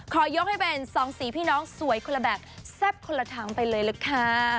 ยกให้เป็นสองสีพี่น้องสวยคนละแบบแซ่บคนละทางไปเลยล่ะค่ะ